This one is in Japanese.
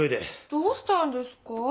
どうしたんですか？